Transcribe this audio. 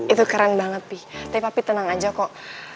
itu keren banget pi tapi papi tenang aja kok